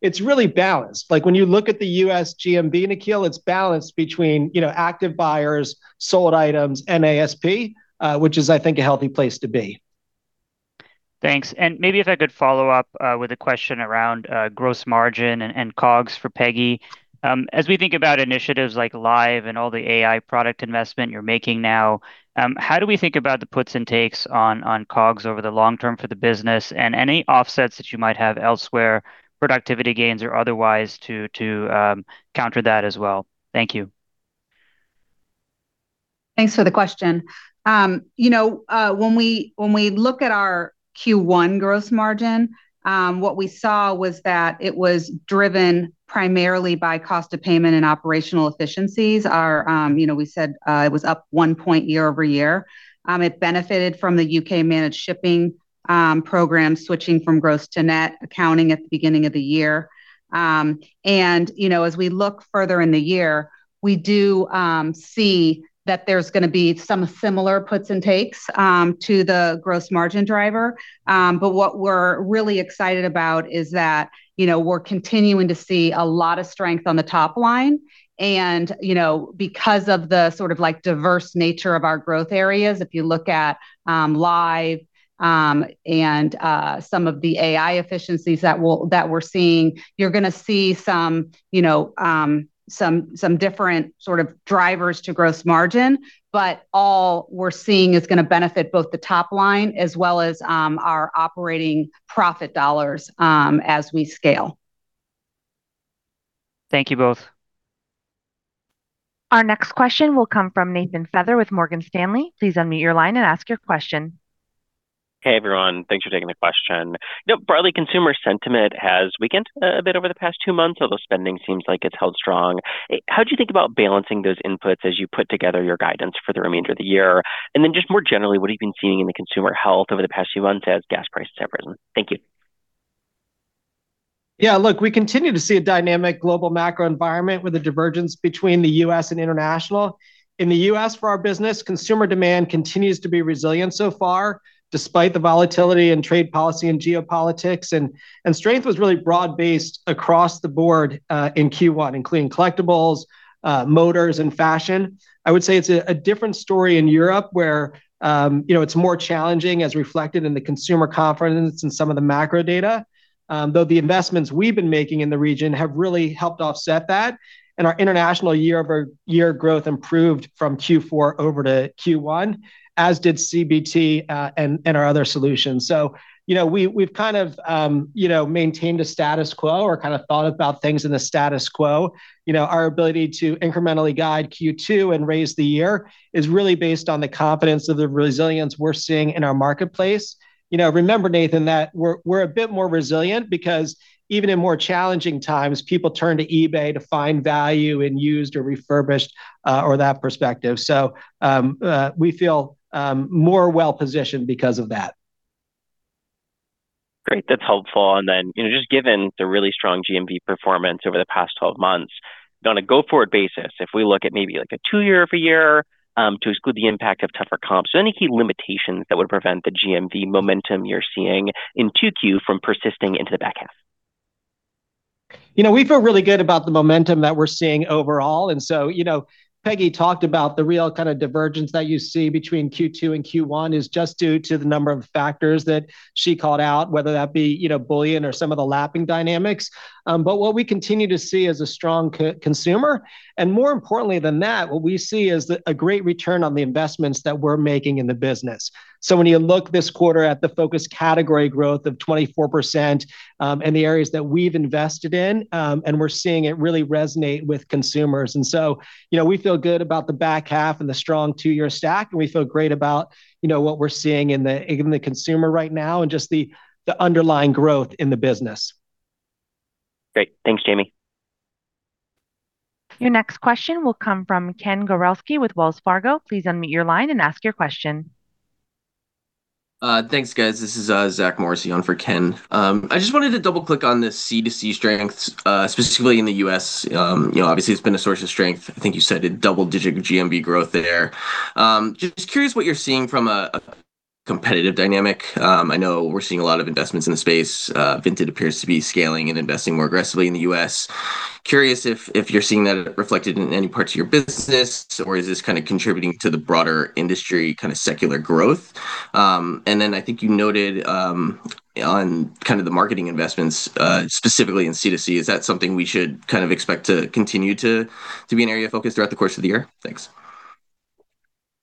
It's really balanced. Like, when you look at the U.S. GMV, Nikhil, it's balanced between, you know, active buyers, sold items, and ASP, which is I think a healthy place to be. Thanks. Maybe if I could follow up with a question around gross margin and COGS for Peggy. As we think about initiatives like Live and all the AI product investment you're making now, how do we think about the puts and takes on COGS over the long term for the business, and any offsets that you might have elsewhere, productivity gains or otherwise to counter that as well? Thank you. Thanks for the question. When we look at our Q1 gross margin, what we saw was that it was driven primarily by cost of payment and operational efficiencies. It was up 1 point year-over-year. It benefited from the U.K. managed shipping program, switching from gross to net accounting at the beginning of the year. As we look further in the year, we do see that there's gonna be some similar puts and takes to the gross margin driver. What we're really excited about is that, you know, we're continuing to see a lot of strength on the top line, and, you know, because of the sort of like diverse nature of our growth areas, if you look at Live, and some of the AI efficiencies that we're seeing, you're gonna see some, you know, some different sort of drivers to gross margin. All we're seeing is gonna benefit both the top line as well as our operating profit dollars, as we scale. Thank you both. Our next question will come from Nathan Feather with Morgan Stanley. Please unmute your line and ask your question. Hey, everyone. Thanks for taking the question. You know, broadly, consumer sentiment has weakened a bit over the past two months, although spending seems like it's held strong. How do you think about balancing those inputs as you put together your guidance for the remainder of the year? Just more generally, what have you been seeing in the consumer health over the past few months as gas prices have risen? Thank you. Yeah, look, we continue to see a dynamic global macro environment with a divergence between the U.S. and international. In the U.S. for our business, consumer demand continues to be resilient so far, despite the volatility in trade policy and geopolitics. Strength was really broad-based across the board in Q1, including collectibles, Motors, and fashion. I would say it's a different story in Europe, where, you know, it's more challenging as reflected in the consumer confidence in some of the macro data. Though the investments we've been making in the region have really helped offset that, and our international year-over-year growth improved from Q4 over to Q1, as did CBT and our other solutions. You know, we've kind of, you know, maintained a status quo or kind of thought about things in the status quo. You know, our ability to incrementally guide Q2 and raise the year is really based on the confidence of the resilience we're seeing in our marketplace. You know, remember, Nathan, that we're a bit more resilient because even in more challenging times, people turn to eBay to find value in used or refurbished, or that perspective. We feel more well-positioned because of that. Great. That's helpful. You know, just given the really strong GMV performance over the past 12 months, on a go-forward basis, if we look at maybe like a 2-year-over-year, to exclude the impact of tougher comps, are there any key limitations that would prevent the GMV momentum you're seeing in 2Q from persisting into the back half? You know, we feel really good about the momentum that we're seeing overall, you know, Peggy talked about the real kind of divergence that you see between Q2 and Q1 is just due to the number of factors that she called out, whether that be, you know, bullion or some of the lapping dynamics. What we continue to see is a strong consumer. More importantly than that, what we see is a great return on the investments that we're making in the business. When you look this quarter at the focus category growth of 24%, the areas that we've invested in, we're seeing it really resonate with consumers. You know, we feel good about the back half and the strong two-year stack, and we feel great about, you know, what we're seeing in the, in the consumer right now and just the underlying growth in the business. Great. Thanks, Jamie. Your next question will come from Ken Gawrelski with Wells Fargo. Please unmute your line and ask your question. Thanks, guys. This is Zach Morrissey on for Ken. I just wanted to double-click on the C2C strength, specifically in the U.S. You know, obviously, it's been a source of strength. I think you said a double-digit GMV growth there. Just curious what you're seeing from a competitive dynamic. I know we're seeing a lot of investments in the space. Vinted appears to be scaling and investing more aggressively in the U.S. Curious if you're seeing that reflected in any parts of your business, or is this kind of contributing to the broader industry kind of secular growth? I think you noted on kind of the marketing investments, specifically in C2C, is that something we should kind of expect to continue to be an area of focus throughout the course of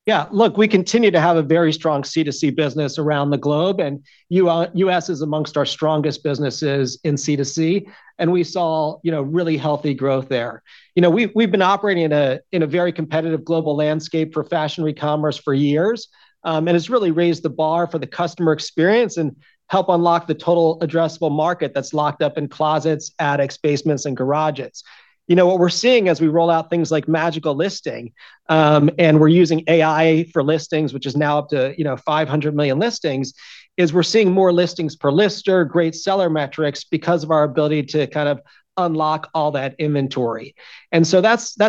the year? Thanks. Yeah. Look, we continue to have a very strong C2C business around the globe. U.S. is amongst our strongest businesses in C2C, and we saw, you know, really healthy growth there. You know, we've been operating in a very competitive global landscape for fashion e-commerce for years. It's really raised the bar for the customer experience and help unlock the total addressable market that's locked up in closets, attics, basements, and garages. You know, what we're seeing as we roll out things like Magical Listing, and we're using AI for listings, which is now up to, you know, 500 million listings, is we're seeing more listings per lister, great seller metrics because of our ability to kind of unlock all that inventory. That's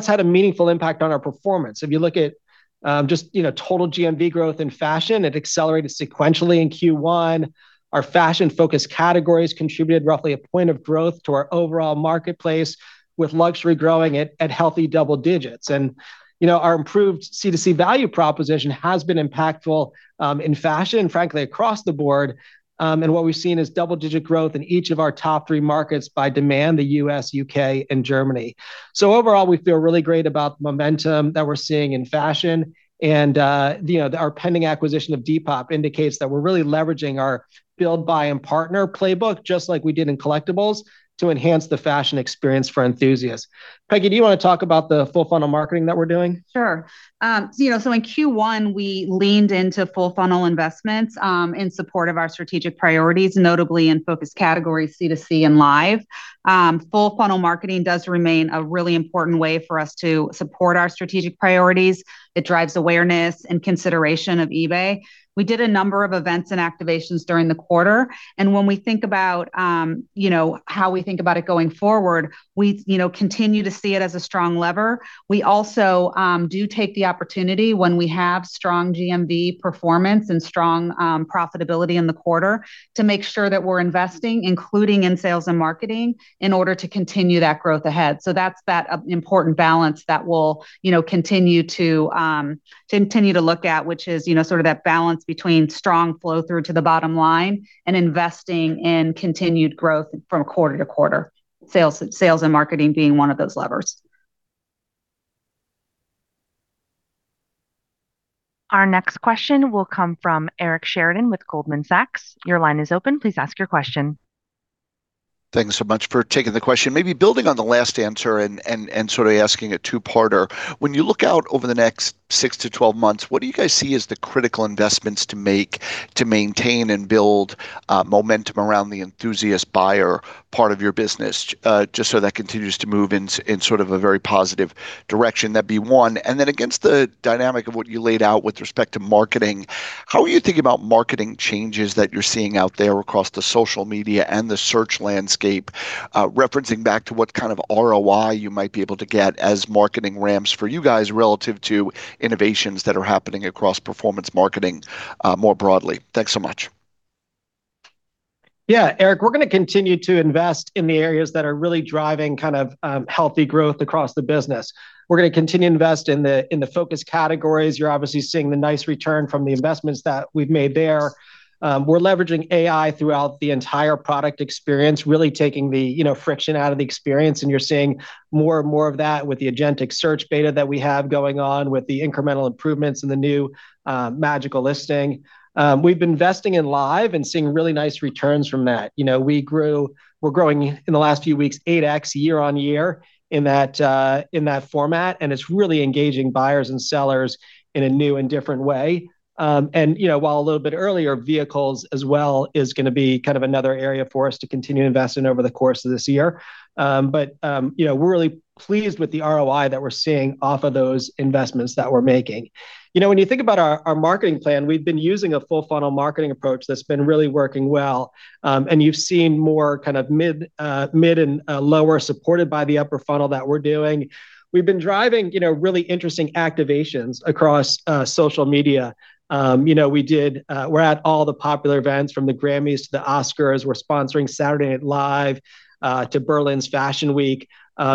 had a meaningful impact on our performance. If you look at, just, you know, total GMV growth in fashion, it accelerated sequentially in Q1. Our fashion-focused categories contributed roughly 1 point of growth to our overall marketplace, with luxury growing at healthy double digits. You know, our improved C2C value proposition has been impactful in fashion, and frankly across the board. What we've seen is double-digit growth in each of our top 3 markets by demand, the U.S., U.K., and Germany. Overall, we feel really great about the momentum that we're seeing in fashion and, you know, our pending acquisition of Depop indicates that we're really leveraging our build, buy, and partner playbook, just like we did in collectibles, to enhance the fashion experience for enthusiasts. Peggy, do you wanna talk about the full funnel marketing that we're doing? Sure. You know, in Q1, we leaned into full funnel investments in support of our strategic priorities, notably in focus categories C2C and Live. Full funnel marketing does remain a really important way for us to support our strategic priorities. It drives awareness and consideration of eBay. We did a number of events and activations during the quarter, and when we think about, you know, how we think about it going forward, we, you know, continue to see it as a strong lever. We also do take the opportunity when we have strong GMV performance and strong profitability in the quarter to make sure that we're investing, including in sales and marketing, in order to continue that growth ahead. That's that important balance that we'll, you know, continue to continue to look at, which is, you know, sort of that balance between strong flow-through to the bottom line and investing in continued growth from quarter to quarter, sales and marketing being one of those levers. Our next question will come from Eric Sheridan with Goldman Sachs. Your line is open. Please ask your question. Thanks so much for taking the question. Maybe building on the last answer and sort of asking a two-parter, when you look out over the next 6 to 12 months, what do you guys see as the critical investments to make to maintain and build momentum around the enthusiast buyer part of your business, just so that continues to move in sort of a very positive direction? That'd be one. Then against the dynamic of what you laid out with respect to marketing, how are you thinking about marketing changes that you're seeing out there across the social media and the search landscape, referencing back to what kind of ROI you might be able to get as marketing ramps for you guys relative to innovations that are happening across performance marketing, more broadly? Thanks so much. Yeah. Eric, we're gonna continue to invest in the areas that are really driving kind of healthy growth across the business. We're gonna continue to invest in the focus categories. You're obviously seeing the nice return from the investments that we've made there. We're leveraging AI throughout the entire product experience, really taking the, you know, friction out of the experience, and you're seeing more and more of that with the agentic search beta that we have going on, with the incremental improvements in the new Magical Listing. We've been investing in Live and seeing really nice returns from that. You know, we're growing in the last few weeks 8x year-over-year in that format, and it's really engaging buyers and sellers in a new and different way. You know, while a little bit earlier, vehicles as well is gonna be kind of another area for us to continue to invest in over the course of this year. You know, we're really pleased with the ROI that we're seeing off of those investments that we're making. You know, when you think about our marketing plan, we've been using a full funnel marketing approach that's been really working well, and you've seen more kind of mid and lower supported by the upper funnel that we're doing. We've been driving, you know, really interesting activations across social media. You know, we're at all the popular events from the Grammys to the Oscars. We're sponsoring Saturday Night Live, to Berlin Fashion Week,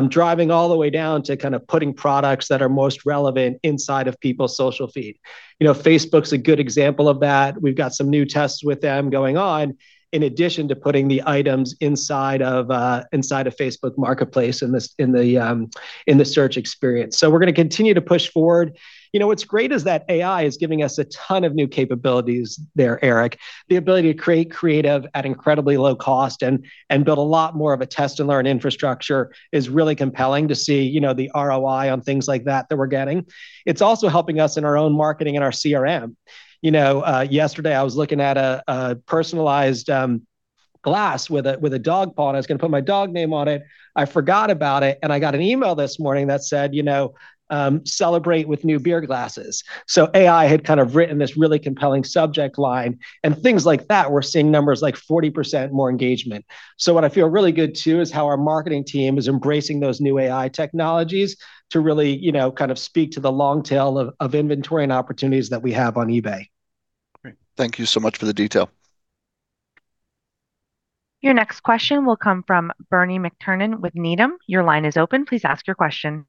driving all the way down to kind of putting products that are most relevant inside of people's social feed. You know, Facebook's a good example of that. We've got some new tests with them going on in addition to putting the items inside of Facebook Marketplace in the search experience. We're gonna continue to push forward. You know, what's great is that AI is giving us a ton of new capabilities there, Eric. The ability to create creative at incredibly low cost and build a lot more of a test and learn infrastructure is really compelling to see, you know, the ROI on things like that that we're getting. It's also helping us in our own marketing and our CRM. You know, yesterday I was looking at a personalized glass with a dog paw, and I was gonna put my dog name on it. I forgot about it, and I got an email this morning that said, you know, "Celebrate with new beer glasses." AI had kind of written this really compelling subject line, and things like that we're seeing numbers like 40% more engagement. What I feel really good too is how our marketing team is embracing those new AI technologies to really, you know, kind of speak to the long tail of inventory and opportunities that we have on eBay. Great. Thank you so much for the detail. Your next question will come from Bernie McTernan with Needham. Your line is open. Please ask your question.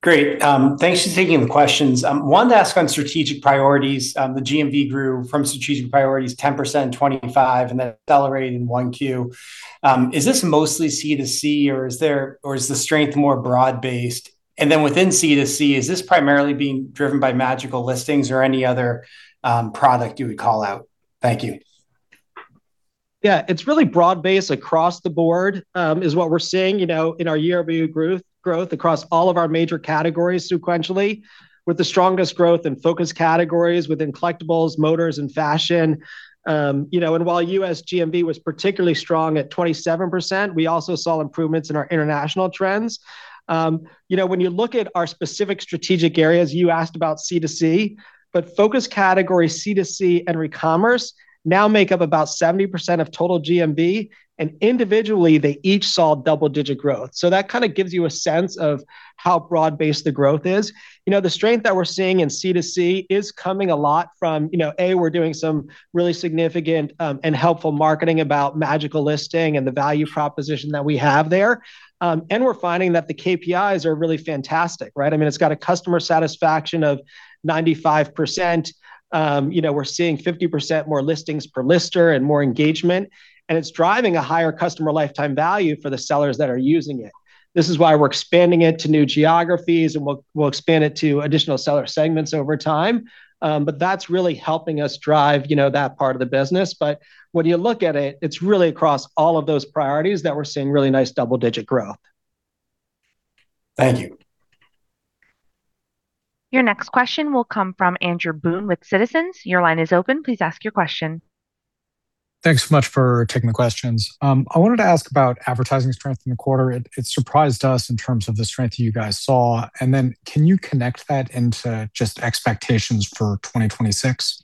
Great. Thanks for taking the questions. Wanted to ask on strategic priorities, the GMV grew from strategic priorities 10% in 2025 and then accelerated in 1Q. Is this mostly C2C or is the strength more broad-based? Within C2C, is this primarily being driven by Magical Listings or any other product you would call out? Thank you. Yeah, it's really broad-based across the board, is what we're seeing, you know, in our year-over-year growth across all of our major categories sequentially, with the strongest growth in focused categories within collectibles, motors, and fashion. You know, while U.S. GMV was particularly strong at 27%, we also saw improvements in our international trends. You know, when you look at our specific strategic areas, you asked about C2C, focused category C2C and recommerce now make up about 70% of total GMV, and individually, they each saw double-digit growth. That kind of gives you a sense of how broad-based the growth is. You know, the strength that we're seeing in C2C is coming a lot from, you know, A, we're doing some really significant and helpful marketing about Magical Listing and the value proposition that we have there. We're finding that the KPIs are really fantastic, right? I mean, it's got a customer satisfaction of 95%. You know, we're seeing 50% more listings per lister and more engagement, and it's driving a higher customer lifetime value for the sellers that are using it. This is why we're expanding it to new geographies, and we'll expand it to additional seller segments over time. That's really helping us drive, you know, that part of the business. When you look at it's really across all of those priorities that we're seeing really nice double-digit growth. Thank you. Your next question will come from Andrew Boone with Citizens. Your line is open. Please ask your question. Thanks so much for taking the questions. I wanted to ask about advertising strength in the quarter. It surprised us in terms of the strength you guys saw. Can you connect that into just expectations for 2026?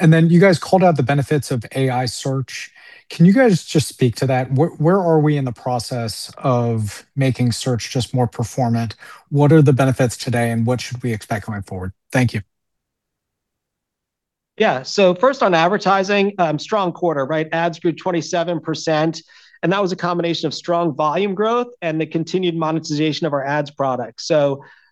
You guys called out the benefits of AI search. Can you guys just speak to that? Where are we in the process of making search just more performant? What are the benefits today, and what should we expect going forward? Thank you. Yeah. First on advertising, strong quarter, right? Ads grew 27%, and that was a combination of strong volume growth and the continued monetization of our ads product.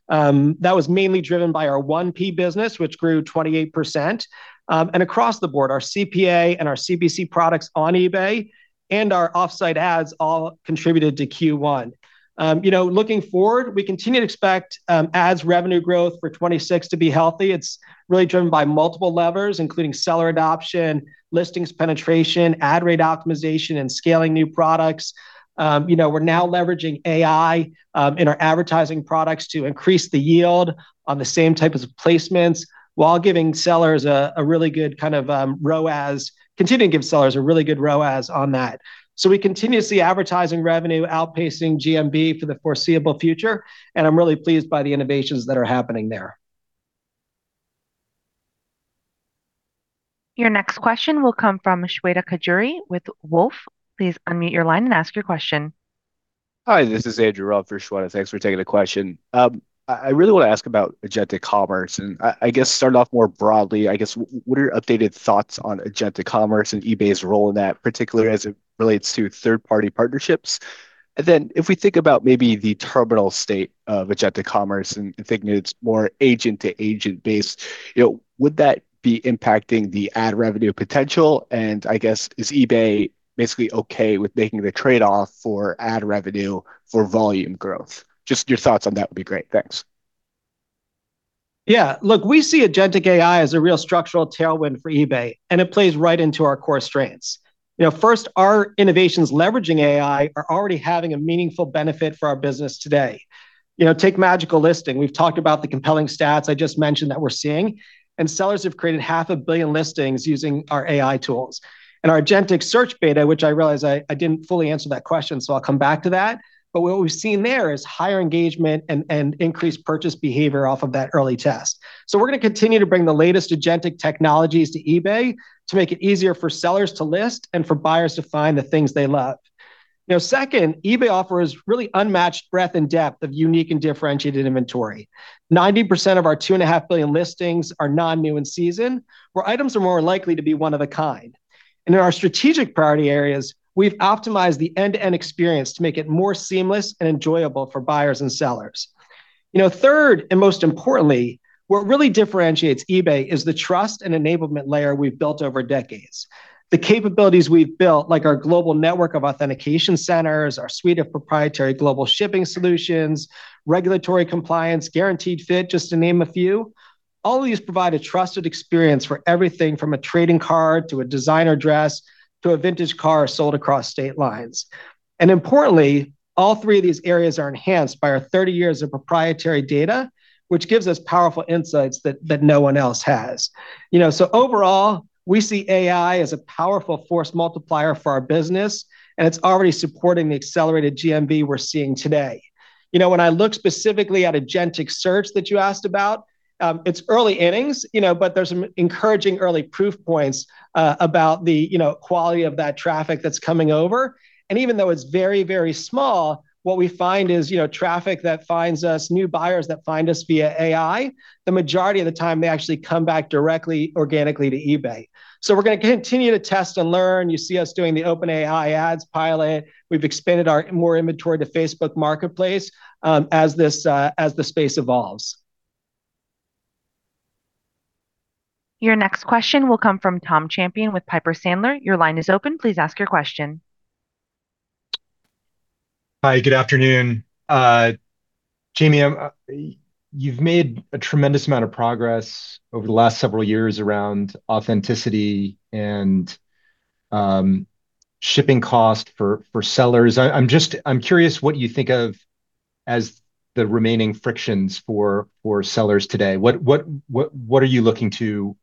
That was mainly driven by our 1P business, which grew 28%. Across the board, our CPA and our CPC products on eBay and our off-site ads all contributed to Q1. You know, looking forward, we continue to expect ads revenue growth for 2026 to be healthy. It's really driven by multiple levers, including seller adoption, listings penetration, ad rate optimization, and scaling new products. You know, we're now leveraging AI in our advertising products to increase the yield on the same type of placements while continuing to give sellers a really good ROAS on that. We continue to see advertising revenue outpacing GMV for the foreseeable future, and I'm really pleased by the innovations that are happening there. Your next question will come from Shweta Khajuria with Wolfe. Please unmute your line and ask your question. Hi, this is Andrew out for Shweta. Thanks for taking the question. I really wanna ask about agentic commerce. I guess starting off more broadly, I guess what are your updated thoughts on agentic commerce and eBay's role in that, particularly as it relates to third-party partnerships? If we think about maybe the terminal state of agentic commerce and thinking it's more agent-to-agent based, you know, would that be impacting the ad revenue potential? I guess, is eBay basically okay with making the trade-off for ad revenue for volume growth? Just your thoughts on that would be great. Thanks. Yeah. Look, we see agentic AI as a real structural tailwind for eBay, and it plays right into our core strengths. You know, first, our innovations leveraging AI are already having a meaningful benefit for our business today. You know, take Magical Listing. We've talked about the compelling stats I just mentioned that we're seeing, and sellers have created 500 million listings using our AI tools. Our agentic search beta, which I realize I didn't fully answer that question, so I'll come back to that, but what we've seen there is higher engagement and increased purchase behavior off of that early test. We're gonna continue to bring the latest agentic technologies to eBay to make it easier for sellers to list and for buyers to find the things they love. You know, second, eBay offers really unmatched breadth and depth of unique and differentiated inventory. 90% of our 2.5 billion listings are non-new in season, where items are more likely to be one of a kind. In our strategic priority areas, we've optimized the end-to-end experience to make it more seamless and enjoyable for buyers and sellers. You know, third, and most importantly, what really differentiates eBay is the trust and enablement layer we've built over decades. The capabilities we've built, like our global network of authentication centers, our suite of proprietary global shipping solutions, regulatory compliance, guaranteed fit, just to name a few, all of these provide a trusted experience for everything from a trading card to a designer dress to a vintage car sold across state lines. Importantly, all three of these areas are enhanced by our 30 years of proprietary data, which gives us powerful insights that no one else has. You know, overall, we see AI as a powerful force multiplier for our business, and it's already supporting the accelerated GMV we're seeing today. You know, when I look specifically at agentic search that you asked about, it's early innings, you know, there's some encouraging early proof points about the, you know, quality of that traffic that's coming over. Even though it's very, very small, what we find is, you know, traffic that finds us, new buyers that find us via AI, the majority of the time they actually come back directly organically to eBay. We're gonna continue to test and learn. You see us doing the OpenAI ads pilot. We've expanded our more inventory to Facebook Marketplace as this as the space evolves. Your next question will come from Thomas Champion with Piper Sandler. Your line is open. Please ask your question. Hi, good afternoon. Jamie, you've made a tremendous amount of progress over the last several years around authenticity and shipping costs for sellers. I'm just curious what you think of as the remaining frictions for sellers today. What are you looking to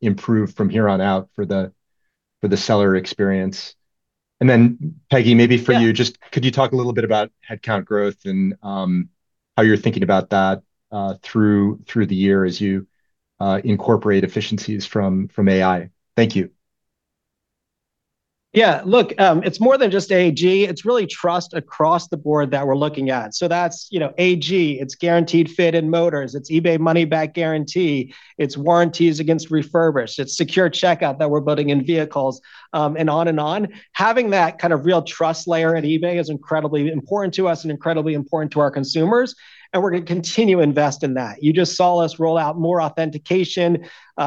improve from here on out for the seller experience? Then Peggy, maybe for you. Yeah... just could you talk a little bit about headcount growth and how you're thinking about that through the year as you incorporate efficiencies from AI? Thank you. Yeah. Look, it's more than just AG, it's really trust across the board that we're looking at. That's, you know, AG, it's eBay Guaranteed Fit in eBay Motors, it's eBay Money Back Guarantee, it's warranties against refurbished, it's secure checkout that we're building in vehicles, and on and on. Having that kind of real trust layer at eBay is incredibly important to us and incredibly important to our consumers, and we're gonna continue to invest in that. You just saw us roll out more authentication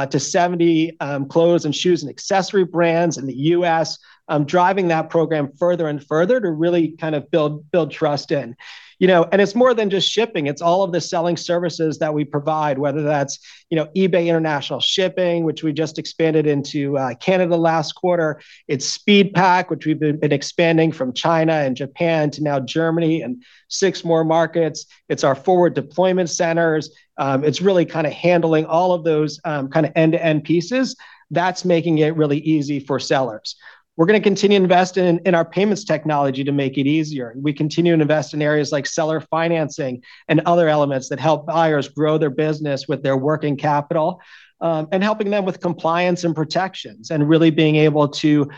to 70 clothes and shoes and accessory brands in the U.S., driving that program further and further to really kind of build trust in. You know, it's more than just shipping, it's all of the selling services that we provide, whether that's, you know, eBay International Shipping, which we just expanded into Canada last quarter. It's SpeedPAK, which we've been expanding from China and Japan to now Germany and six more markets. It's our forward deployment centers. It's really kind of handling all of those kind of end-to-end pieces. That's making it really easy for sellers. We're gonna continue to invest in our payments technology to make it easier, and we continue to invest in areas like seller financing and other elements that help buyers grow their business with their working capital. Helping them with compliance and protections, and really being able to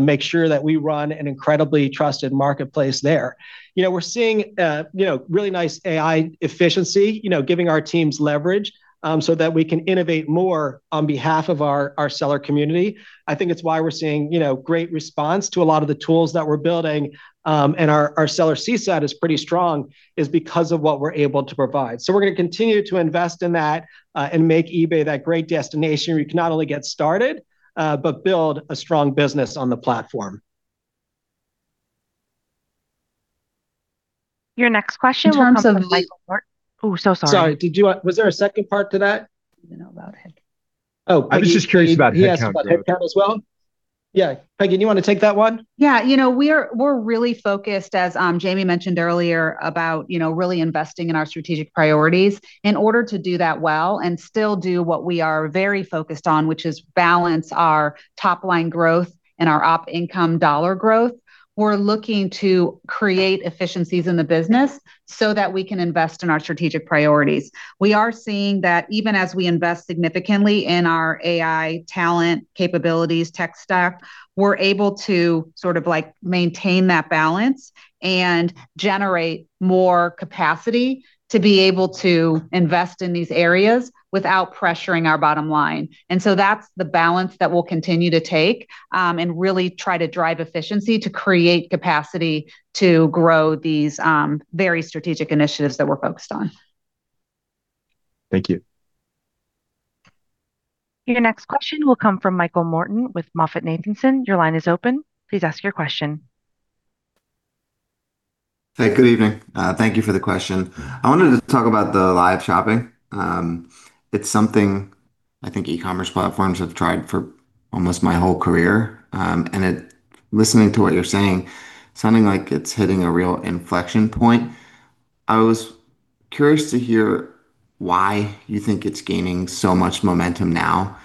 make sure that we run an incredibly trusted marketplace there. You know, we're seeing, you know, really nice AI efficiency, you know, giving our teams leverage so that we can innovate more on behalf of our seller community. I think it's why we're seeing, you know, great response to a lot of the tools that we're building, and our seller CSAT is pretty strong is because of what we're able to provide. We're gonna continue to invest in that, and make eBay that great destination where you can not only get started, but build a strong business on the platform. Your next question will come from Michael. Ooh, so sorry. Sorry, did you, was there a second part to that? You know, about head count. Oh, Peggy- I was just curious about head count. he asked about head count as well? Yeah. Peggy, you wanna take that one? You know, we're really focused as Jamie mentioned earlier about, you know, really investing in our strategic priorities. In order to do that well and still do what we are very focused on, which is balance our top line growth and our op income dollar growth, we're looking to create efficiencies in the business so that we can invest in our strategic priorities. We are seeing that even as we invest significantly in our AI talent capabilities tech stack, we're able to sort of like maintain that balance and generate more capacity to be able to invest in these areas without pressuring our bottom line. That's the balance that we'll continue to take and really try to drive efficiency to create capacity to grow these very strategic initiatives that we're focused on. Thank you. Your next question will come from Michael Morton with MoffettNathanson. Your line is open. Please ask your question. Hey, good evening. Thank you for the question. I wanted to talk about the live shopping. It's something I think e-commerce platforms have tried for almost my whole career. Listening to what you're saying, sounding like it's hitting a real inflection point. I was curious to hear why you think it's gaining so much momentum now.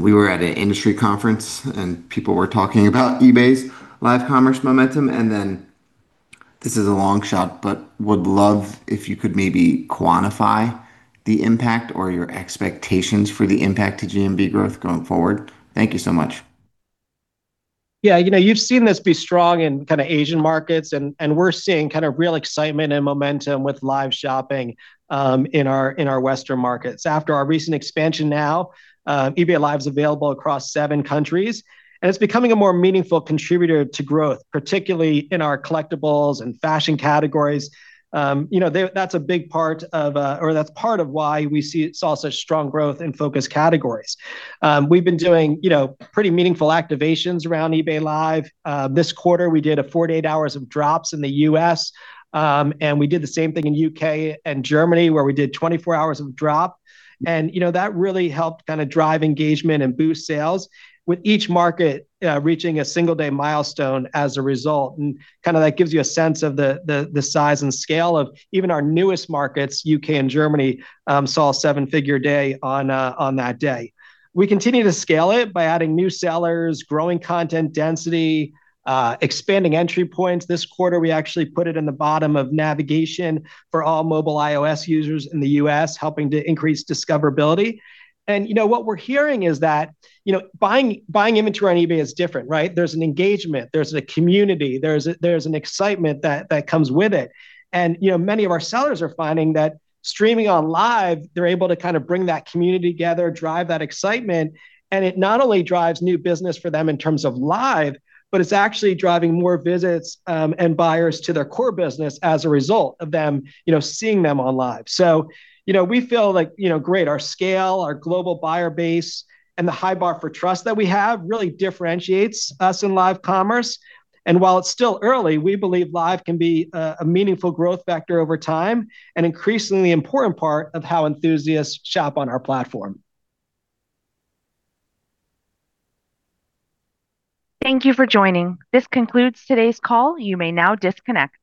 We were at an industry conference and people were talking about eBay's live commerce momentum. This is a long shot, but would love if you could maybe quantify the impact or your expectations for the impact to GMV growth going forward. Thank you so much. Yeah. You know, you've seen this be strong in kind of Asian markets. We're seeing kind of real excitement and momentum with eBay Live shopping in our Western markets. After our recent expansion now, eBay Live's available across 7 countries. It's becoming a more meaningful contributor to growth, particularly in our collectibles and fashion categories. You know, that's part of why we saw such strong growth in focus categories. We've been doing, you know, pretty meaningful activations around eBay Live. This quarter we did a 48 hours of drops in the U.S. We did the same thing in U.K. and Germany where we did 24 hours of drop. You know, that really helped kind of drive engagement and boost sales, with each market reaching a 1-day milestone as a result. That gives you a sense of the size and scale of even our newest markets, U.K. and Germany, saw a $7-figure day on that day. We continue to scale it by adding new sellers, growing content density, expanding entry points. This quarter, we actually put it in the bottom of navigation for all mobile iOS users in the U.S., helping to increase discoverability. You know, what we're hearing is that, you know, buying inventory on eBay is different, right? There's an engagement, there's a community, there's an excitement that comes with it. You know, many of our sellers are finding that streaming on Live, they're able to kind of bring that community together, drive that excitement, and it not only drives new business for them in terms of Live, but it's actually driving more visits and buyers to their core business as a result of them, you know, seeing them on Live. You know, we feel like, you know, great, our scale, our global buyer base, and the high bar for trust that we have really differentiates us in live commerce. While it's still early, we believe Live can be a meaningful growth factor over time, and increasingly important part of how enthusiasts shop on our platform. Thank you for joining. This concludes today's call. You may now disconnect.